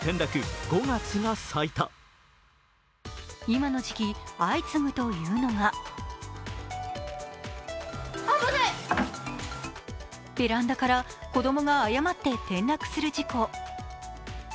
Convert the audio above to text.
今の時期、相次ぐというのがベランダから子供が誤って転落する事故。